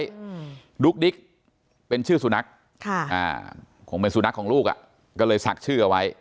ลูกดิ๊กเป็นชื่อสุนัขคงเป็นสุนัขของลูกอะก็เลยศักดิ์ชื่อเอาไว้